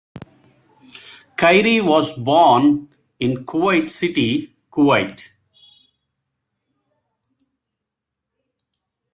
Khairy was born in Kuwait City, Kuwait.